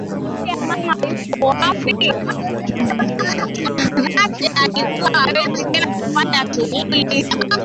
nikamwambia mama yuko wapi maanake alikuwa hawezi tena kufanya shughuli